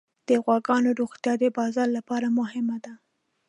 د غواګانو روغتیا د بازار لپاره مهمه ده.